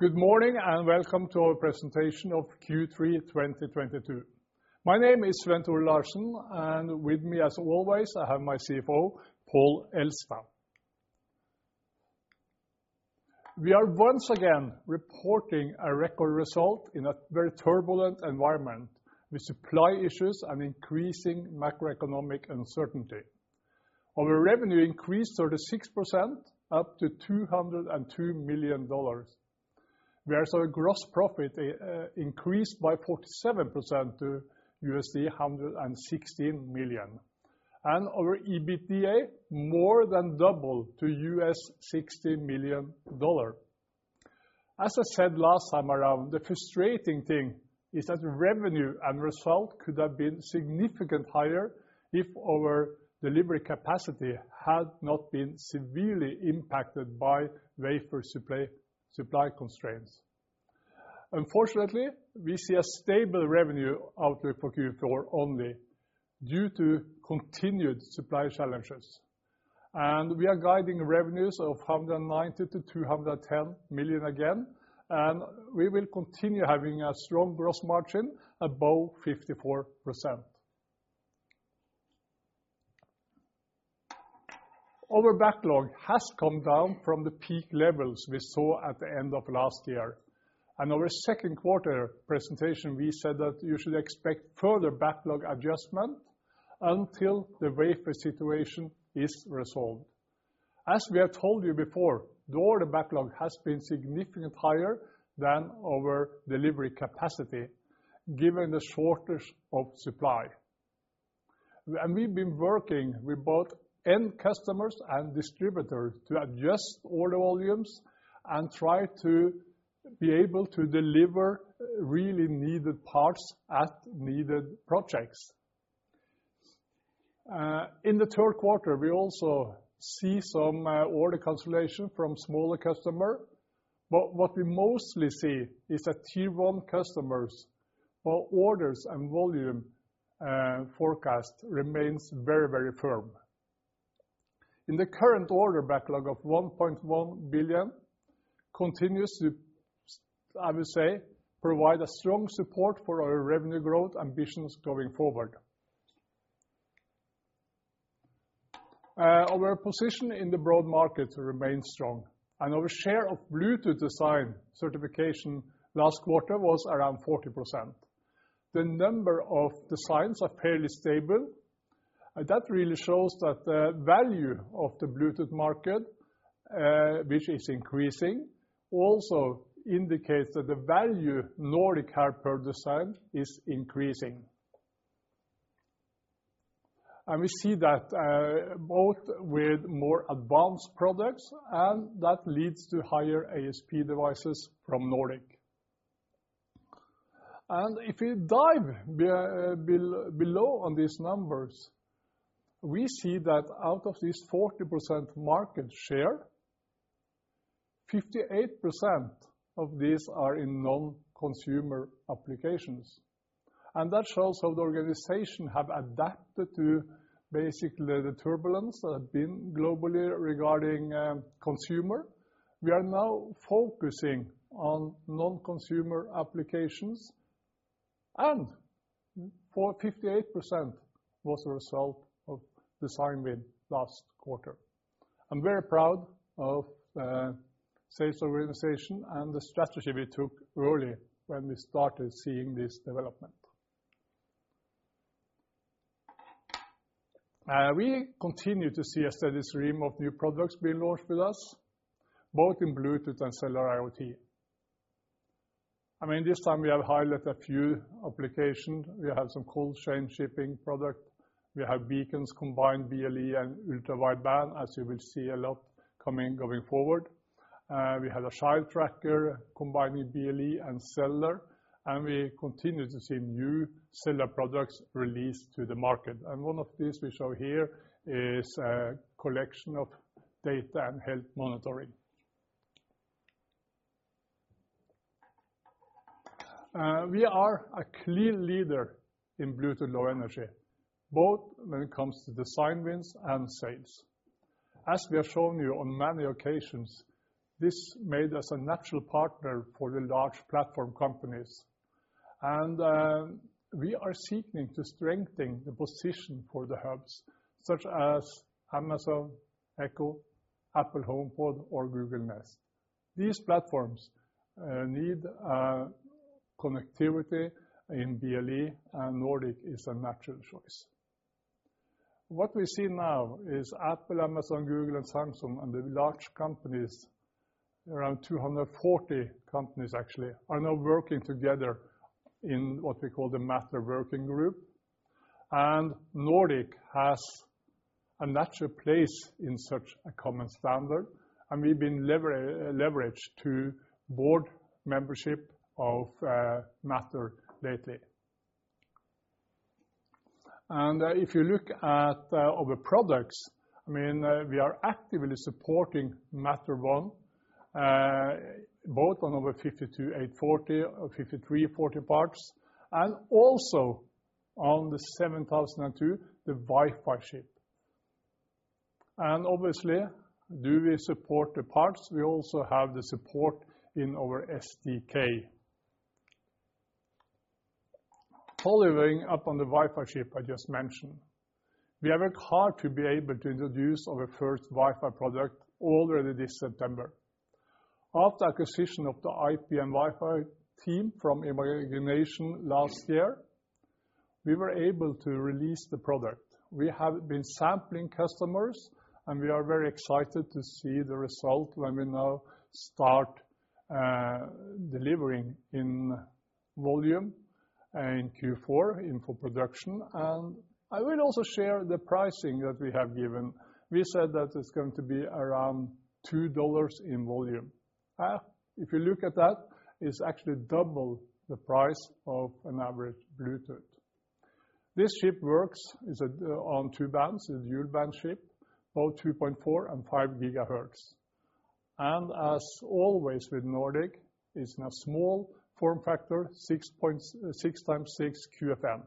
Good morning and welcome to our presentation of Q3 2022. My name is Svenn-Tore Larsen, and with me, as always, I have my CFO, Pål Elstad. We are once again reporting a record result in a very turbulent environment with supply issues and increasing macroeconomic uncertainty. Our revenue increased 36% up to $202 million, whereas our gross profit increased by 47% to $116 million. Our EBITDA more than doubled to $60 million. As I said last time around, the frustrating thing is that revenue and result could have been significantly higher if our delivery capacity had not been severely impacted by wafer supply constraints. Unfortunately, we see a stable revenue outlook for Q4 only due to continued supply challenges. We are guiding revenues of $190 million-$210 million again, and we will continue having a strong gross margin above 54%. Our backlog has come down from the peak levels we saw at the end of last year. In our second quarter presentation, we said that you should expect further backlog adjustment until the wafer situation is resolved. As we have told you before, the order backlog has been significantly higher than our delivery capacity given the shortage of supply. We've been working with both end customers and distributors to adjust order volumes and try to be able to deliver really needed parts at needed projects. In the third quarter, we also see some order consolidation from smaller customer, but what we mostly see is that Tier 1 customers, our orders and volume forecast remains very, very firm. The current order backlog of $1.1 billion continues to, I would say, provide a strong support for our revenue growth ambitions going forward. Our position in the broad market remains strong and our share of Bluetooth design certification last quarter was around 40%. The number of designs are fairly stable. That really shows that the value of the Bluetooth market, which is increasing, also indicates that the value Nordic have per design is increasing. We see that both with more advanced products and that leads to higher ASP devices from Nordic. If you dive below on these numbers, we see that out of this 40% market share, 58% of these are in non-consumer applications. That shows how the organization have adapted to basically the turbulence that have been globally regarding consumer. We are now focusing on non-consumer applications, and 58% was a result of design win last quarter. I'm very proud of sales organization and the strategy we took early when we started seeing this development. We continue to see a steady stream of new products being launched with us, both in Bluetooth and cellular IoT. I mean, this time we have highlighted a few applications. We have some cold chain shipping product. We have beacons combined BLE and ultra-wideband, as you will see a lot coming going forward. We have a child tracker combining BLE and cellular, and we continue to see new cellular products released to the market. One of these we show here is a collection of data and health monitoring. We are a clear leader in Bluetooth Low Energy, both when it comes to design wins and sales. As we have shown you on many occasions, this made us a natural partner for the large platform companies. We are seeking to strengthen the position for the hubs such as Amazon Echo, Apple HomePod or Google Nest. These platforms need connectivity in BLE, and Nordic is a natural choice. What we see now is Apple, Amazon, Google, and Samsung, and the large companies, around 240 companies actually, are now working together in what we call the Matter Working Group. Nordic has a natural place in such a common standard, and we've been elevated to board membership of Matter lately. If you look at our products, I mean, we are actively supporting Matter 1. Both on nRF52, nRF52840 or nRF5340 parts, and also on the nRF7002, the Wi-Fi chip. Obviously, do we support the parts, we also have the support in our SDK. Following up on the Wi-Fi chip I just mentioned, we are on call to be able to introduce our first Wi-Fi product already this September. After acquisition of the IP and Wi-Fi team from Imagination last year, we were able to release the product. We have been sampling customers, and we are very excited to see the result when we now start delivering in volume in Q4 in full production. I will also share the pricing that we have given. We said that it's going to be around $2 in volume. If you look at that, it's actually double the price of an average Bluetooth. This chip is on two bands, a dual-band chip, both 2.4 and 5 GHz. As always with Nordic, it's in a small form factor, 6 x 6 QFN.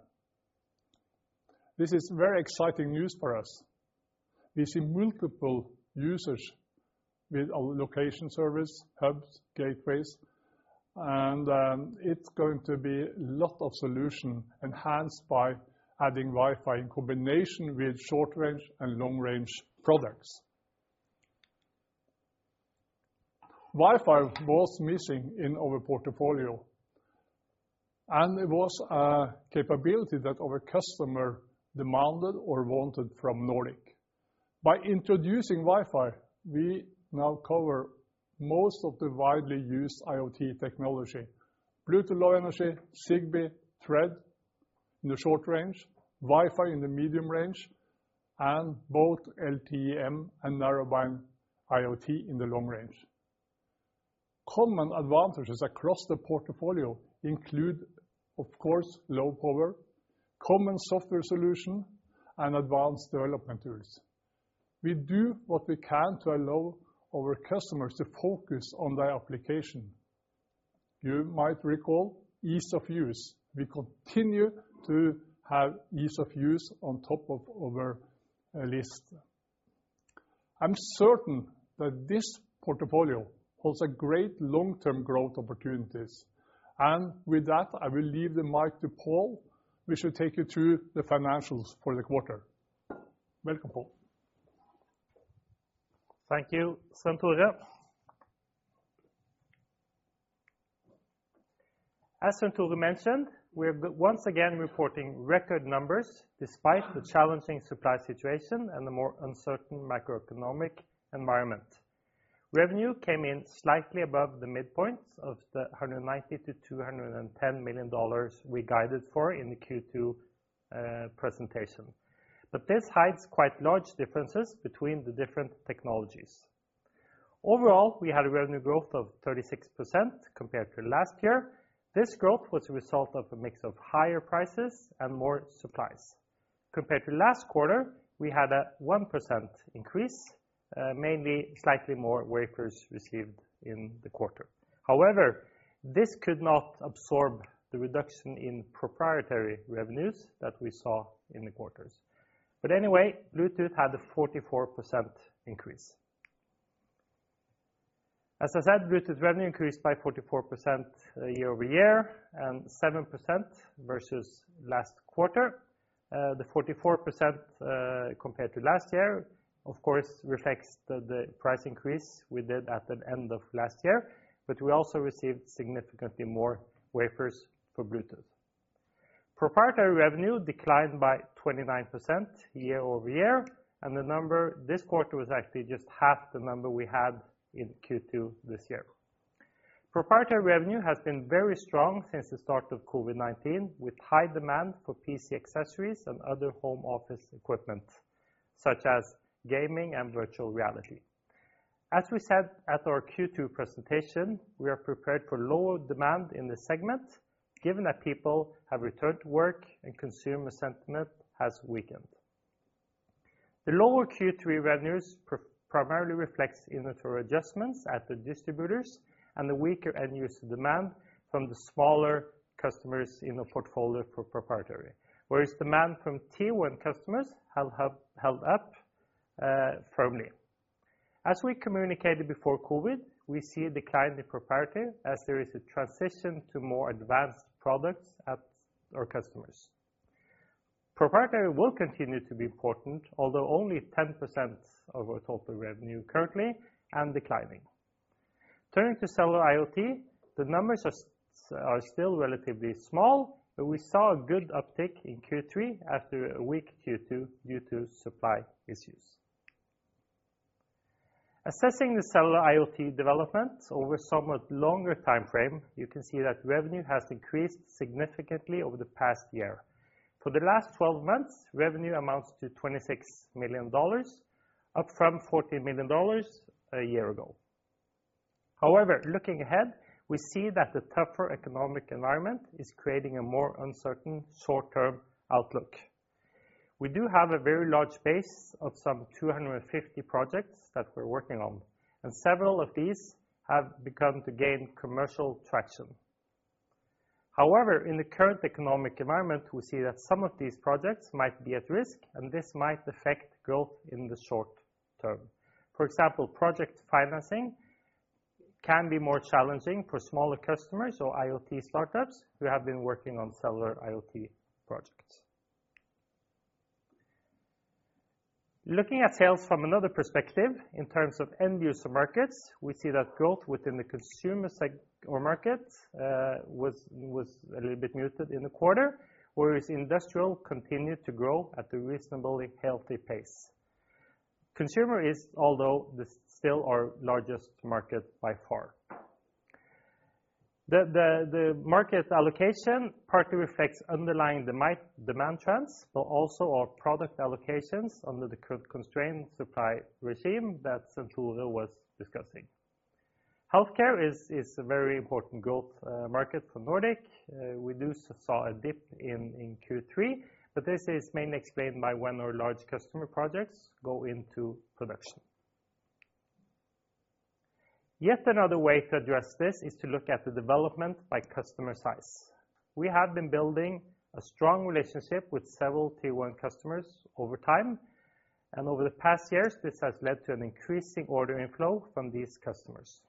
This is very exciting news for us. We see multiple users with our location service, hubs, gateways, and it's going to be a lot of solutions enhanced by adding Wi-Fi in combination with short-range and long-range products. Wi-Fi was missing in our portfolio, and it was a capability that our customer demanded or wanted from Nordic. By introducing Wi-Fi, we now cover most of the widely used IoT technology. Bluetooth Low Energy, Zigbee, Thread in the short range, Wi-Fi in the medium range, and both LTE-M and NB-IoT in the long range. Common advantages across the portfolio include, of course, low power, common software solution, and advanced development tools. We do what we can to allow our customers to focus on their application. You might recall ease of use. We continue to have ease of use on top of our list. I'm certain that this portfolio holds a great long-term growth opportunities. With that, I will leave the mic to Pål, which will take you through the financials for the quarter. Welcome, Pål. Thank you, Svenn-Tore. As Svenn-Tore mentioned, we're once again reporting record numbers despite the challenging supply situation and the more uncertain macroeconomic environment. Revenue came in slightly above the midpoint of the $190 million-$210 million we guided for in the Q2 presentation. This hides quite large differences between the different technologies. Overall, we had a revenue growth of 36% compared to last year. This growth was a result of a mix of higher prices and more supplies. Compared to last quarter, we had a 1% increase, mainly slightly more wafers received in the quarter. However, this could not absorb the reduction in proprietary revenues that we saw in the quarters. Anyway, Bluetooth had a 44% increase. As I said, Bluetooth revenue increased by 44% year-over-year and 7% versus last quarter. The 44%, compared to last year, of course, reflects the price increase we did at the end of last year, but we also received significantly more wafers for Bluetooth. Proprietary revenue declined by 29% year-over-year, and the number this quarter was actually just half the number we had in Q2 this year. Proprietary revenue has been very strong since the start of COVID-19, with high demand for PC accessories and other home office equipment, such as gaming and virtual reality. As we said at our Q2 presentation, we are prepared for lower demand in this segment, given that people have returned to work and consumer sentiment has weakened. The lower Q3 revenues primarily reflects inventory adjustments at the distributors and the weaker end-user demand from the smaller customers in the portfolio for proprietary, whereas demand from Tier 1 customers have held up firmly. As we communicated before COVID-19, we see a decline in proprietary as there is a transition to more advanced products at our customers. Proprietary will continue to be important, although only 10% of our total revenue currently and declining. Turning to cellular IoT, the numbers are still relatively small, but we saw a good uptick in Q3 after a weak Q2 due to supply issues. Assessing the cellular IoT development over a somewhat longer timeframe, you can see that revenue has increased significantly over the past year. For the last 12 months, revenue amounts to $26 million, up from $14 million a year ago. However, looking ahead, we see that the tougher economic environment is creating a more uncertain short-term outlook. We do have a very large base of some 250 projects that we're working on, and several of these have begun to gain commercial traction. However, in the current economic environment, we see that some of these projects might be at risk, and this might affect growth in the short term. For example, project financing can be more challenging for smaller customers or IoT startups who have been working on cellular IoT projects. Looking at sales from another perspective, in terms of end user markets, we see that growth within the consumer or market was a little bit muted in the quarter, whereas industrial continued to grow at a reasonably healthy pace. Consumer is, although, still our largest market by far. The market allocation partly reflects underlying demand trends, but also our product allocations under the constrained supply regime that Svenn-Tore was discussing. Healthcare is a very important growth market for Nordic. We saw a dip in Q3, but this is mainly explained by when our large customer projects go into production. Yet another way to address this is to look at the development by customer size. We have been building a strong relationship with several Tier 1 customers over time, and over the past years, this has led to an increasing order inflow from these customers.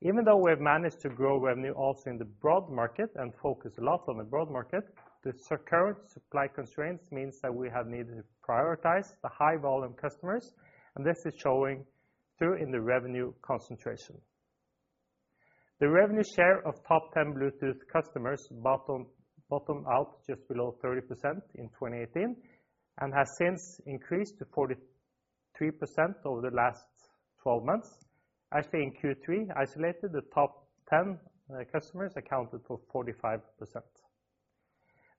Even though we have managed to grow revenue also in the broad market and focus a lot on the broad market, the current supply constraints means that we have needed to prioritize the high volume customers, and this is showing through in the revenue concentration. The revenue share of top 10 Bluetooth customers bottom out just below 30% in 2018, and has since increased to 43% over the last 12 months. Actually, in Q3 in isolation, the top 10 customers accounted for 45%.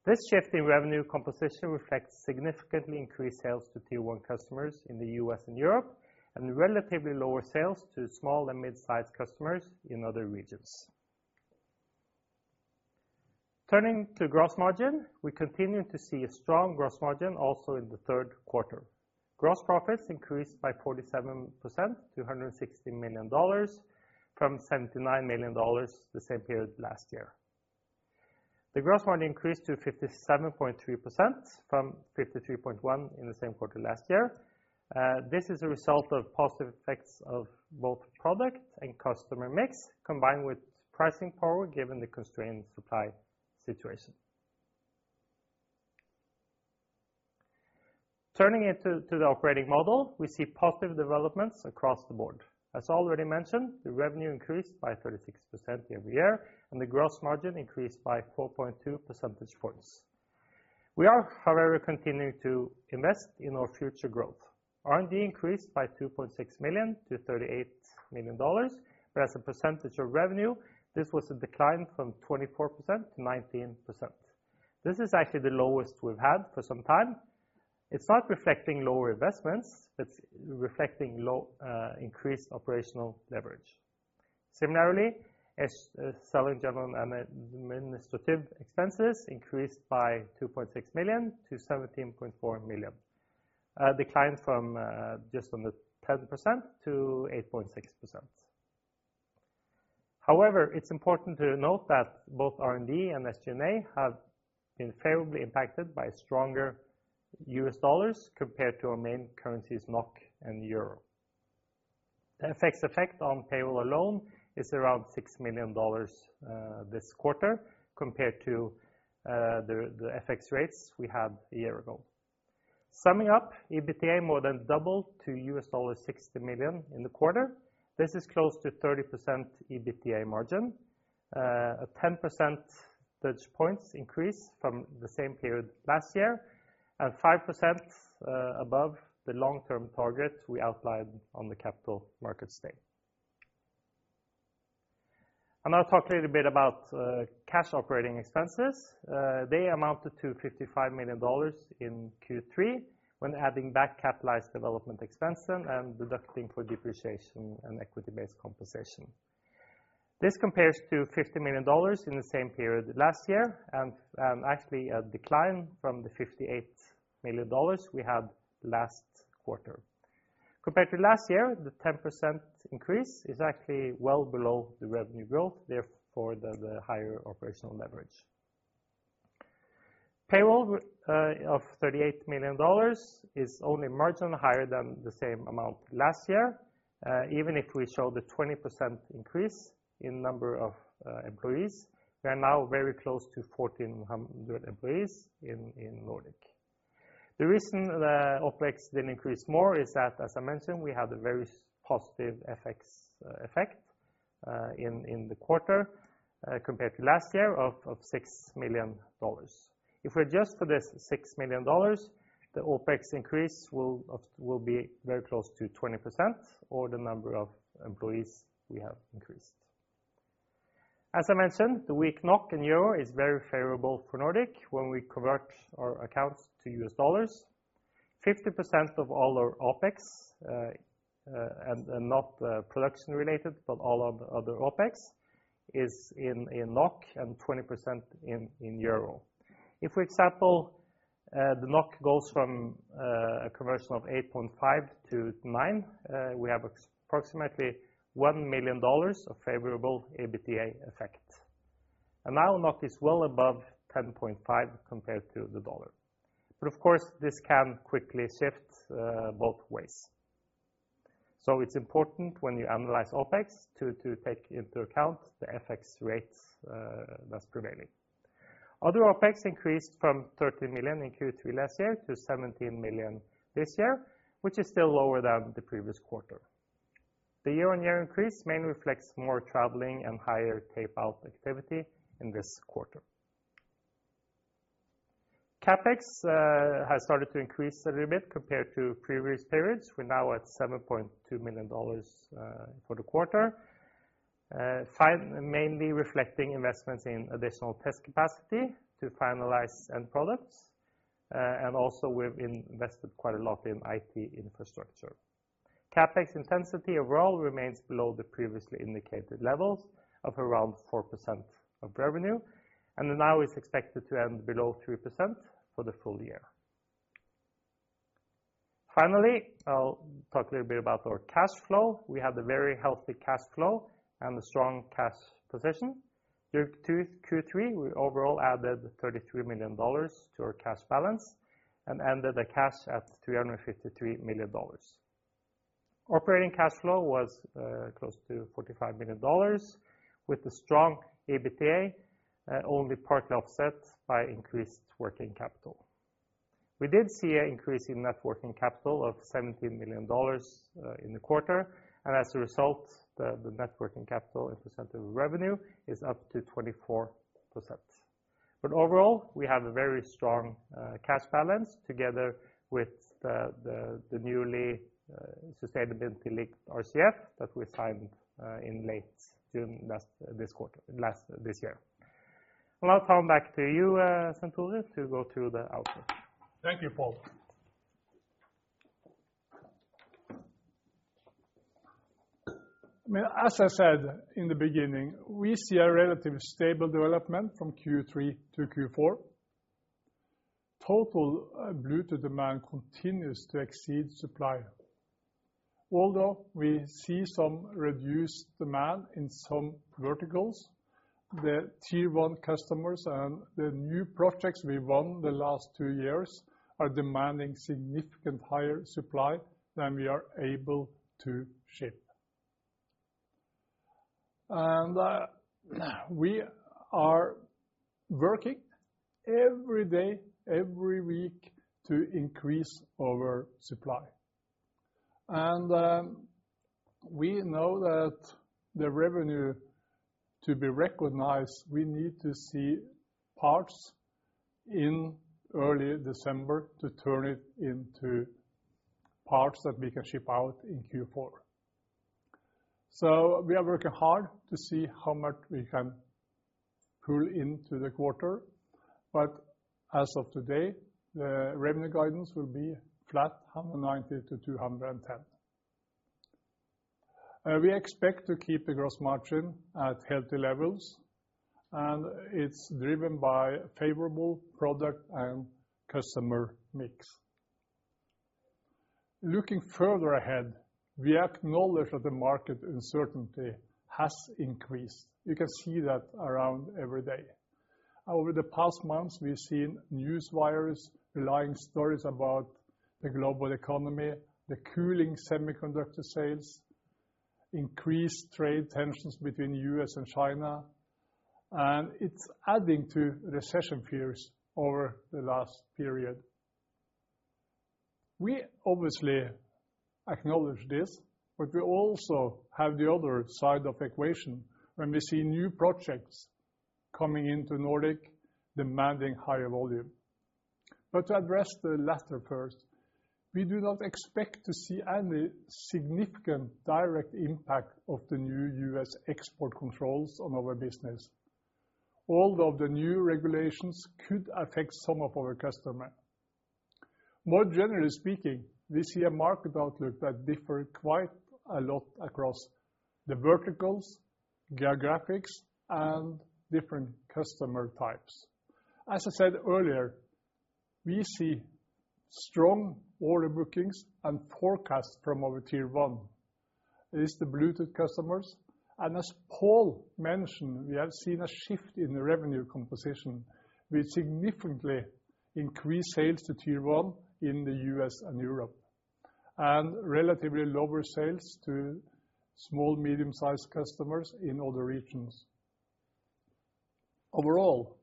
This shift in revenue composition reflects significantly increased sales to Tier 1 customers in the U.S. and Europe, and relatively lower sales to small and mid-sized customers in other regions. Turning to gross margin, we continue to see a strong gross margin also in the third quarter. Gross profits increased by 47% to $160 million from $79 million the same period last year. The gross margin increased to 57.2% from 53.1% in the same quarter last year. This is a result of positive effects of both product and customer mix, combined with pricing power, given the constrained supply situation. Turning it to the operating model, we see positive developments across the board. As already mentioned, the revenue increased by 36% year-over-year, and the gross margin increased by 4.2 percentage points. We are, however, continuing to invest in our future growth. R&D increased by $2.6 million-$38 million, but as a percentage of revenue, this was a decline from 24%-19%. This is actually the lowest we've had for some time. It's not reflecting lower investments. It's reflecting low, increased operational leverage. Similarly, as selling, general, and administrative expenses increased by $2.6 million-$17.4 million, declined from just under 10%-8.6%. However, it's important to note that both R&D and SG&A have been favorably impacted by stronger US dollars compared to our main currencies, NOK and euro. The FX effect on payroll alone is around $6 million this quarter compared to the FX rates we had a year ago. Summing up, EBITDA more than doubled to $60 million in the quarter. This is close to 30% EBITDA margin, a 10 percentage points increase from the same period last year, and 5% above the long-term target we outlined on the Capital Markets Day. I'll talk a little bit about cash operating expenses. They amounted to $55 million in Q3 when adding back capitalized development expenses and deducting for depreciation and equity-based compensation. This compares to $50 million in the same period last year and actually a decline from the $58 million we had last quarter. Compared to last year, the 10% increase is actually well below the revenue growth, therefore the higher operational leverage. Payroll of $38 million is only marginally higher than the same amount last year. Even if we show the 20% increase in number of employees, we are now very close to 1,400 employees in Nordic. The reason the OpEx didn't increase more is that, as I mentioned, we had a very positive FX effect in the quarter compared to last year of $6 million. If we adjust for this $6 million, the OpEx increase will be very close to 20% or the number of employees we have increased. As I mentioned, the weak NOK and euro is very favorable for Nordic when we convert our accounts to US dollars. Fifty percent of all our OpEx and not production related, but all of the other OpEx is in NOK and 20% in euro. If, for example, the NOK goes from a commercial of 8.5-9, we have approximately $1 million of favorable EBITDA effect. Now NOK is well above 10.5 compared to the dollar. Of course, this can quickly shift both ways. It's important when you analyze OpEx to take into account the FX rates that's prevailing. Other OpEx increased from $13 million in Q3 last year to $17 million this year, which is still lower than the previous quarter. The year-on-year increase mainly reflects more traveling and higher tapeout activity in this quarter. CapEx has started to increase a little bit compared to previous periods. We're now at $7.2 million for the quarter. Mainly reflecting investments in additional test capacity to finalize end products, and also we've invested quite a lot in IT infrastructure. CapEx intensity overall remains below the previously indicated levels of around 4% of revenue, and now is expected to end below 3% for the full year. Finally, I'll talk a little bit about our cash flow. We have a very healthy cash flow and a strong cash position. Through Q2 to Q3, we overall added $33 million to our cash balance and ended the cash at $353 million. Operating cash flow was close to $45 million with a strong EBITDA only partly offset by increased working capital. We did see an increase in net working capital of $17 million in the quarter, and as a result, the net working capital in percent of revenue is up to 24%. Overall, we have a very strong cash balance together with the newly sustainability-linked RCF that we signed in late June last this quarter, last this year. Well, I'll come back to you, Svenn-Tore Larsen, to go through the outlook. Thank you, Pål. I mean, as I said in the beginning, we see a relatively stable development from Q3 to Q4. Total Bluetooth demand continues to exceed supply. Although we see some reduced demand in some verticals, the Tier 1 customers and the new projects we won the last two years are demanding significantly higher supply than we are able to ship. We are working every day, every week to increase our supply. We know that the revenue to be recognized, we need to see parts in early December to turn it into parts that we can ship out in Q4. We are working hard to see how much we can pull into the quarter. As of today, the revenue guidance will be flat $190-$210. We expect to keep the gross margin at healthy levels, and it's driven by favorable product and customer mix. Looking further ahead, we acknowledge that the market uncertainty has increased. You can see that around every day. Over the past months, we've seen newswires relaying stories about the global economy, the cooling semiconductor sales, increased trade tensions between U.S. and China, and it's adding to recession fears over the last period. We obviously acknowledge this, but we also have the other side of the equation when we see new projects coming into Nordic demanding higher volume. To address the latter first, we do not expect to see any significant direct impact of the new U.S. export controls on our business, although the new regulations could affect some of our customers. More generally speaking, we see a market outlook that differ quite a lot across the verticals, geographies, and different customer types. As I said earlier, we see strong order bookings and forecasts from our Tier 1. It is the Bluetooth customers. As Pål mentioned, we have seen a shift in the revenue composition, with significantly increased sales to Tier 1 in the U.S. and Europe, and relatively lower sales to small, medium-sized customers in other regions. Overall,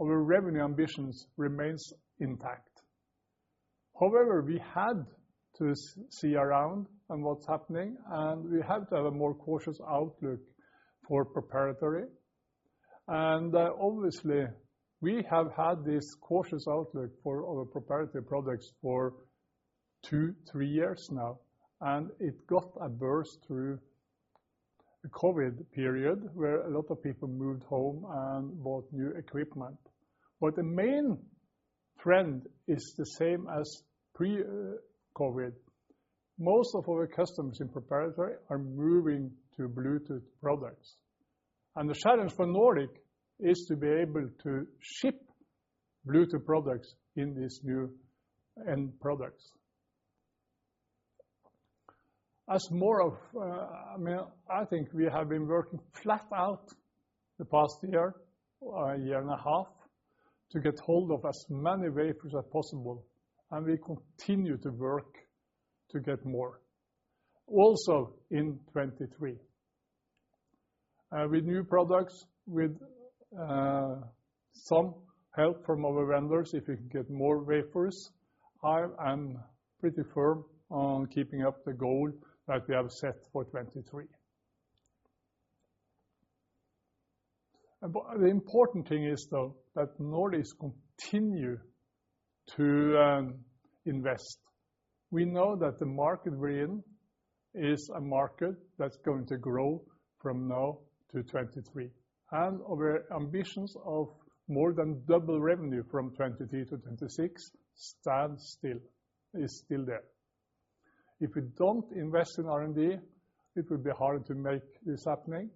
our revenue ambitions remains intact. However, we had to see what's going on, and we have to have a more cautious outlook for proprietary. Obviously we have had this cautious outlook for our proprietary products for two-three years now, and it got a boost through the COVID period, where a lot of people moved home and bought new equipment. The main trend is the same as pre-COVID. Most of our customers in proprietary are moving to Bluetooth products. The challenge for Nordic is to be able to ship Bluetooth products in these new end products. I think we have been working flat out the past year or a year and a half to get hold of as many wafers as possible, and we continue to work to get more. Also in 2023. With new products, some help from our vendors, if we can get more wafers, I am pretty firm on keeping up the goal that we have set for 2023. The important thing is though that Nordic continue to invest. We know that the market we're in is a market that's going to grow from now to 2023, and our ambitions of more than double revenue from 2023 to 2026 stands still, is still there. If we don't invest in R&D, it will be hard to make this happen,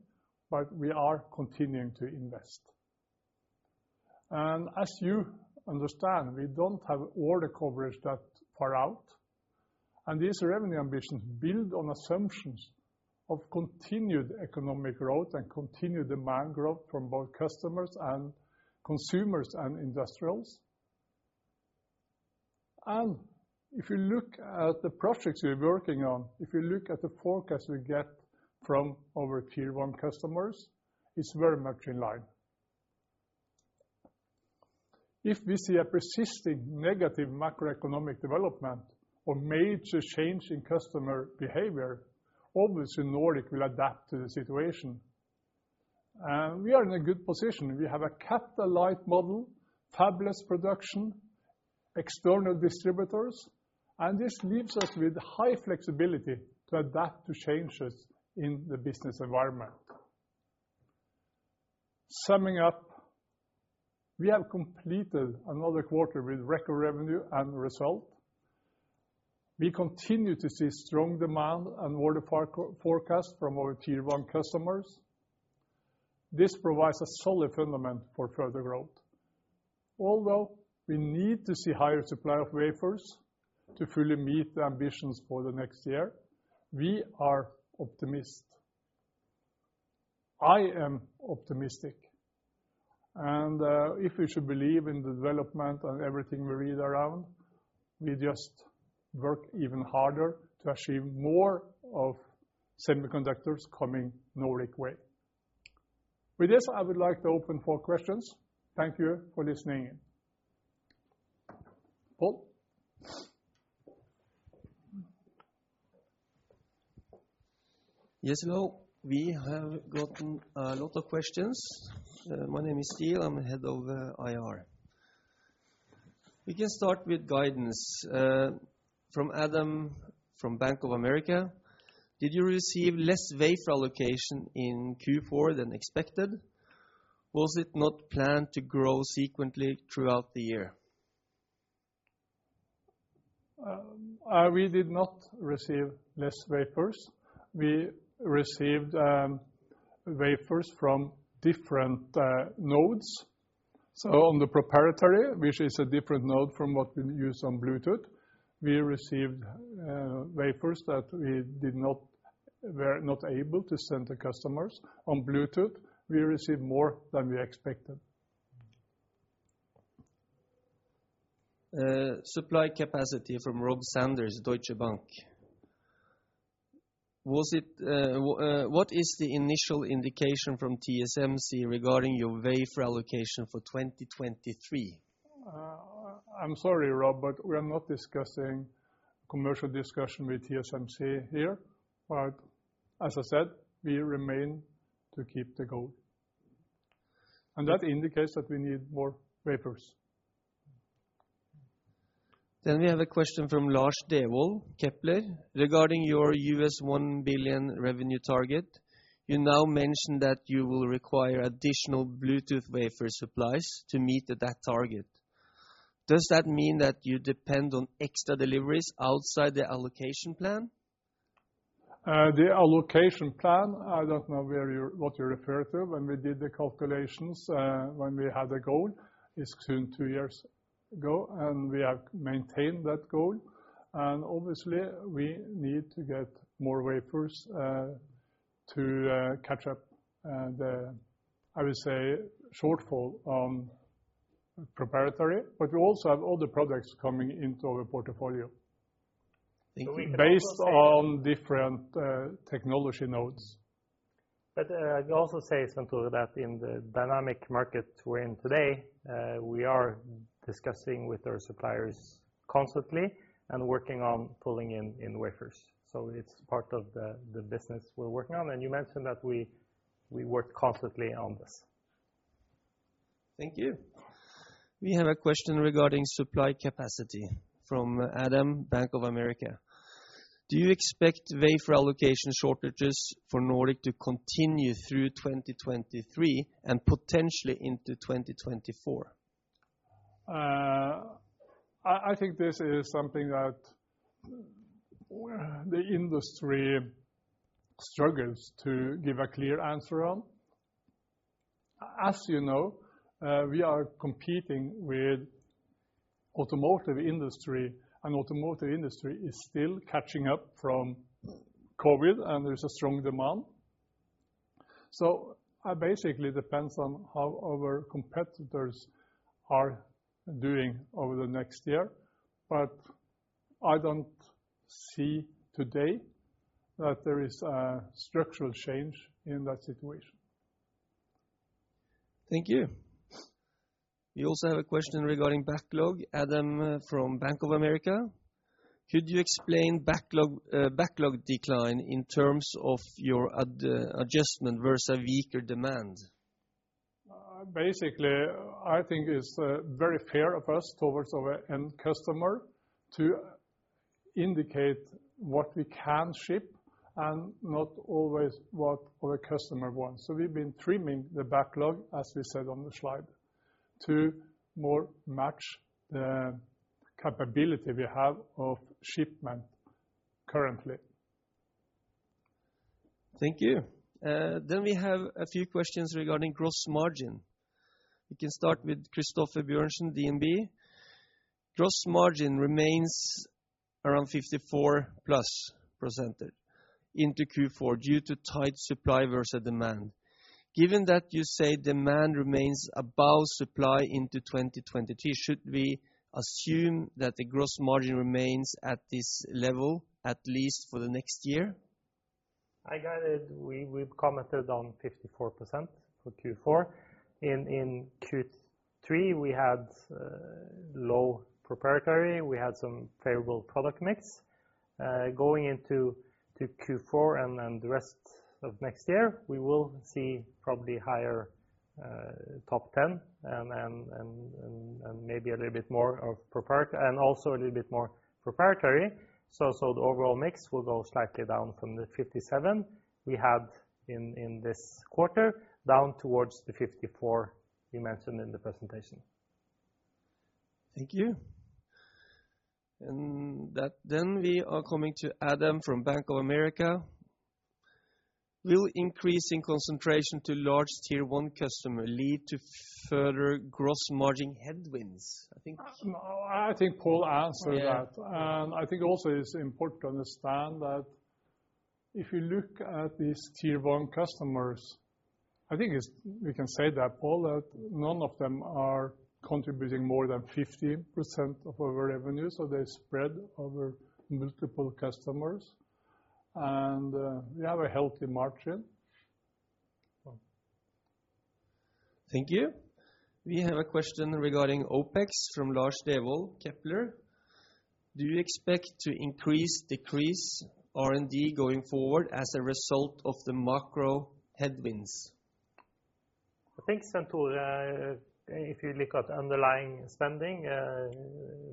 but we are continuing to invest. As you understand, we don't have order coverage that far out, and these revenue ambitions build on assumptions of continued economic growth and continued demand growth from both customers and consumers and industrials. If you look at the projects we're working on, if you look at the forecast we get from our Tier 1 customers, it's very much in line. If we see a persisting negative macroeconomic development or major change in customer behavior, obviously Nordic will adapt to the situation. We are in a good position. We have a capital light model, fabless production, external distributors, and this leaves us with high flexibility to adapt to changes in the business environment. Summing up, we have completed another quarter with record revenue and result. We continue to see strong demand and order forecast from our Tier 1 customers. This provides a solid fundament for further growth. Although we need to see higher supply of wafers to fully meet the ambitions for the next year, we are optimistic. I am optimistic. If we should believe in the development and everything we read around, we just work even harder to achieve more of semiconductors coming Nordic way. With this, I would like to open for questions. Thank you for listening. Pål? Yes. Hello. We have gotten a lot of questions. My name is Ståle, I'm the head of IR. We can start with guidance from Adam, from Bank of America. Did you receive less wafer allocation in Q4 than expected? Was it not planned to grow sequentially throughout the year? We did not receive less wafers. We received wafers from different nodes. On the proprietary, which is a different node from what we use on Bluetooth, we received wafers that we're not able to send to customers. On Bluetooth, we received more than we expected. Supply capacity from Robert Sanders, Deutsche Bank. What is the initial indication from TSMC regarding your wafer allocation for 2023? I'm sorry, Rob, but we're not discussing commercial discussion with TSMC here. As I said, we remain to keep the goal. That indicates that we need more wafers. We have a question from Lars Lægreid, Kepler. Regarding your $1 billion revenue target, you now mention that you will require additional Bluetooth wafer supplies to meet that target. Does that mean that you depend on extra deliveries outside the allocation plan? The allocation plan, I don't know where you're, what you're referring to. When we did the calculations, when we had the goal, it's soon two years ago, and we have maintained that goal. Obviously, we need to get more wafers to catch up the, I would say, shortfall on proprietary. We also have other products coming into our portfolio. Think we can also- Based on different technology nodes. I'd also say, Svenn-Tore Larsen, that in the dynamic market we're in today, we are discussing with our suppliers constantly and working on pulling in wafers. It's part of the business we're working on. You mentioned that we work constantly on this. Thank you. We have a question regarding supply capacity from Adam, Bank of America. Do you expect wafer allocation shortages for Nordic to continue through 2023 and potentially into 2024? I think this is something that the industry struggles to give a clear answer on. As you know, we are competing with the automotive industry, and the automotive industry is still catching up from COVID, and there's a strong demand. It basically depends on how our competitors are doing over the next year. I don't see today that there is a structural change in that situation. Thank you. We also have a question regarding backlog. Adam from Bank of America. Could you explain backlog decline in terms of your adjustment versus weaker demand? Basically, I think it's very fair of us towards our end customer to indicate what we can ship and not always what our customer wants. We've been trimming the backlog, as we said on the slide, to more match the capability we have of shipment currently. Thank you. We have a few questions regarding gross margin. We can start with Christoffer Bjørnsen, DNB. Gross margin remains around 54% into Q4 due to tight supply versus demand. Given that you say demand remains above supply into 2022, should we assume that the gross margin remains at this level, at least for the next year? I got it. We've commented on 54% for Q4. In Q3, we had low proprietary. We had some favorable product mix. Going into Q4 and then the rest of next year, we will see probably higher top ten and maybe a little bit more proprietary and also a little bit more proprietary. The overall mix will go slightly down from the 57 we had in this quarter, down towards the 54 we mentioned in the presentation. Thank you. We are coming to Adam from Bank of America. Will increase in concentration to large Tier 1 customer lead to further gross margin headwinds? I think. No, I think Pål answered that. Oh, yeah. I think also it's important to understand that if you look at these Tier 1 customers, we can say that, Pål, that none of them are contributing more than 50% of our revenue, so they spread over multiple customers. We have a healthy margin. Thank you. We have a question regarding OpEx from Lars Lægreid, Kepler. Do you expect to increase, decrease R&D going forward as a result of the macro headwinds? I think, Svenn-Tore, if you look at underlying spending,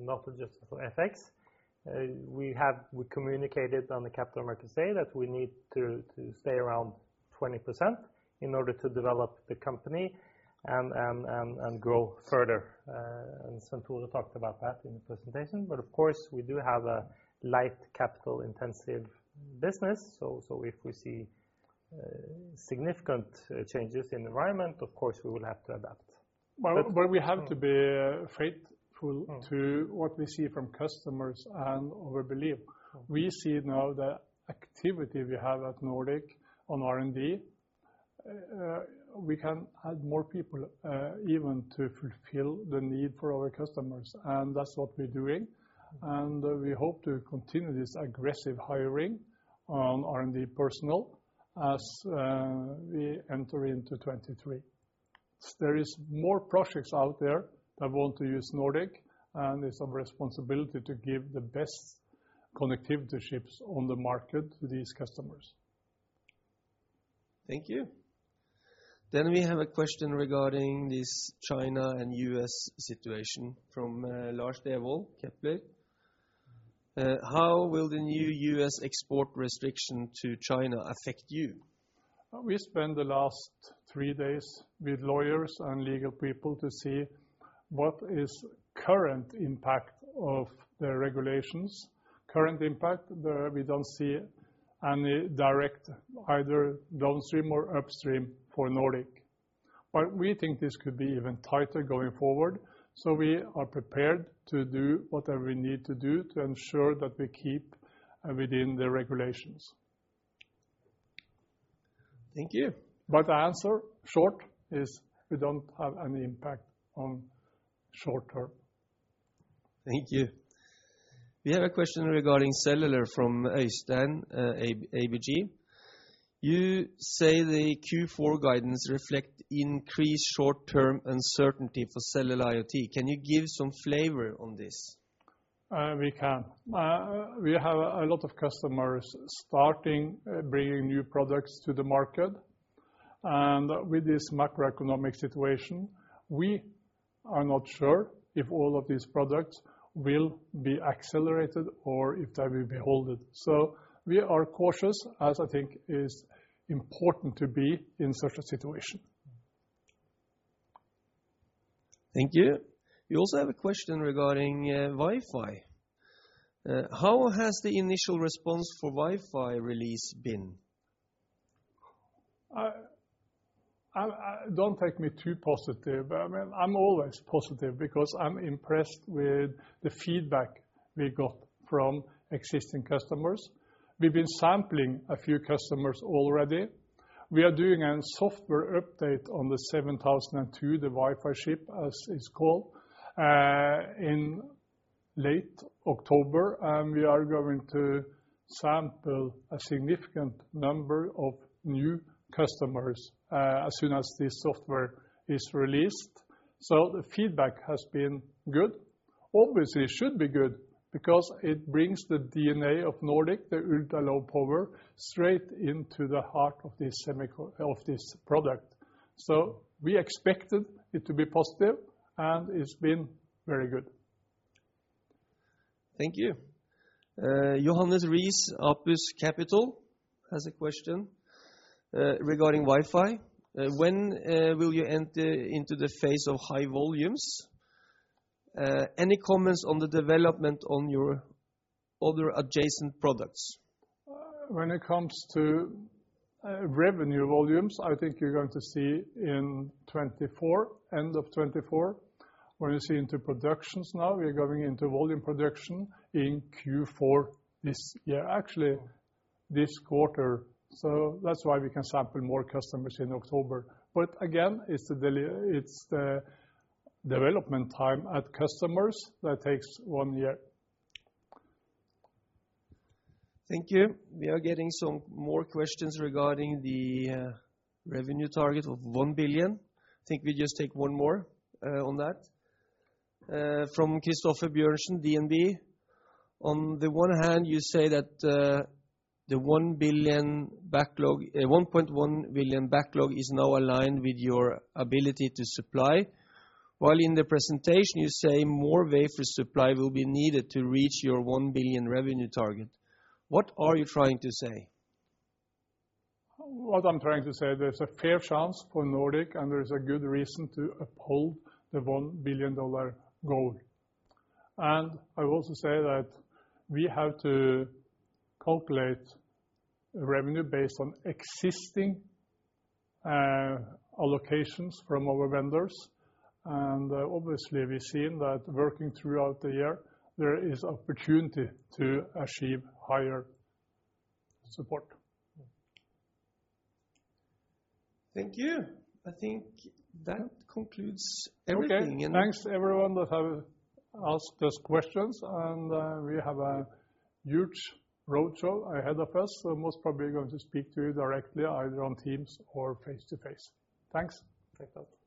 not just for FX, we communicated on the Capital Markets Day that we need to stay around 20% in order to develop the company and grow further. Svenn-Tore talked about that in the presentation. Of course, we do have a lightly capital intensive business. If we see significant changes in environment, of course, we will have to adapt. We have to be faithful to what we see from customers and our belief. We see now the activity we have at Nordic on R&D. We can add more people, even to fulfill the need for our customers, and that's what we're doing. We hope to continue this aggressive hiring on R&D personnel as we enter into 2023. There is more projects out there that want to use Nordic, and it's our responsibility to give the best connectivity chips on the market to these customers. Thank you. We have a question regarding this China and U.S. situation from Lars Lægreid, Kepler. How will the new U.S. export restriction to China affect you? We spent the last three days with lawyers and legal people to see what is current impact of the regulations. Current impact, we don't see any direct either downstream or upstream for Nordic. We think this could be even tighter going forward, so we are prepared to do whatever we need to do to ensure that we keep within the regulations. Thank you. The short answer is we don't have any impact on short term. Thank you. We have a question regarding cellular from Øystein, ABG. You say the Q4 guidance reflect increased short-term uncertainty for cellular IoT. Can you give some flavor on this? We have a lot of customers starting to bring new products to the market. With this macroeconomic situation, we are not sure if all of these products will be accelerated or if they will be held. We are cautious, as I think it is important to be in such a situation. Thank you. We also have a question regarding Wi-Fi. How has the initial response for Wi-Fi release been? Don't take me too positive. I mean, I'm always positive because I'm impressed with the feedback we got from existing customers. We've been sampling a few customers already. We are doing a software update on the 7002, the Wi-Fi chip, as it's called, in late October, and we are going to sample a significant number of new customers, as soon as this software is released. The feedback has been good. Obviously, it should be good because it brings the DNA of Nordic, the ultra-low power, straight into the heart of this product. We expected it to be positive, and it's been very good. Thank you. Johannes Rees, Opus Capital, has a question regarding Wi-Fi. When will you enter into the phase of high volumes? Any comments on the development on your other adjacent products? When it comes to revenue volumes, I think you're going to see in 2024, end of 2024. When you see into productions now, we're going into volume production in Q4 this year. Actually, this quarter. That's why we can sample more customers in October. But again, it's the development time at customers that takes one year. Thank you. We are getting some more questions regarding the revenue target of $1 billion. I think we just take one more on that. From Christoffer Bjørnsen, DNB. On the one hand, you say that the $1 billion backlog, $1.1 billion backlog is now aligned with your ability to supply, while in the presentation, you say more wafer supply will be needed to reach your $1 billion revenue target. What are you trying to say? What I'm trying to say, there's a fair chance for Nordic, and there's a good reason to uphold the $1 billion goal. I also say that we have to calculate revenue based on existing allocations from our vendors. Obviously, we've seen that working throughout the year, there is opportunity to achieve higher support. Thank you. I think that concludes everything. Okay. Thanks everyone that have asked us questions. We have a huge roadshow ahead of us, so most probably going to speak to you directly, either on Teams or face-to-face. Thanks. Take care.